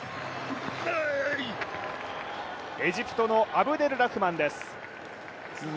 エジプトのアブデルラフマンです。